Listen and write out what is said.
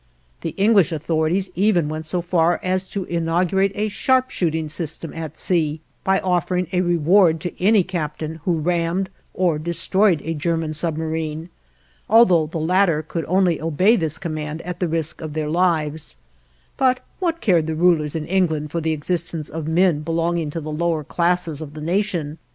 The English authorities even went so far as to inaugurate a sharp shooting system at sea by offering a reward to any captain who rammed or destroyed a German submarine, although the latter could only obey this command at the risk of their lives; but what cared the rulers in England for the existence of men belonging to the lower classes of the Nation?